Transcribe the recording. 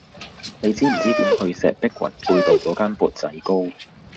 你知唔知點去石壁宏貝道嗰間缽仔糕